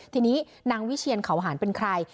ทีนี้นางวิเชียนเขาหารเป็นใคร